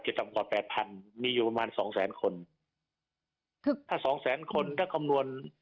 ต่ำกว่าแปดพันมีอยู่ประมาณสองแสนคนคือถ้าสองแสนคนถ้าคำนวณ